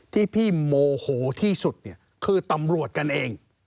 ที่พี่โมโหที่สุดเนี่ยคือตำรวจกันเอง